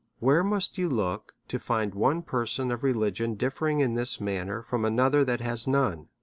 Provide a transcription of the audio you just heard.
Where must you look to find one person of religion differing in this manner from another that has none?